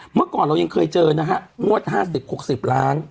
เมื่อก่อนเรายังเคยเจอนะฮะงวด๕๐๖๐ล้าน